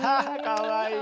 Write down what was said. かわいい。